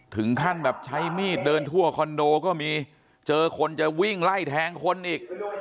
ถึงขั้นแบบใช้มีดเดินทั่วคอนโดก็มีเจอคนจะวิ่งไล่แทงคนอีก